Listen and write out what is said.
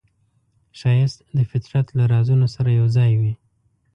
ښایست د فطرت له رازونو سره یوځای وي